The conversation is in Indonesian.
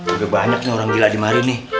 udah banyak nih orang gila di mari nih